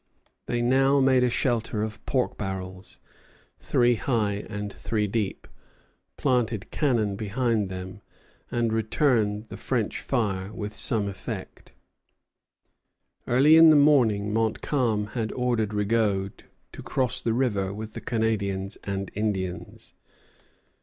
They now made a shelter of pork barrels, three high and three deep, planted cannon behind them, and returned the French fire with some effect. Early in the morning Montcalm had ordered Rigaud to cross the river with the Canadians and Indians.